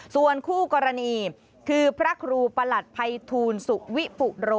ส่วนคู่กรณีคือพระครูประหลัดภัยทูลสุวิปุโร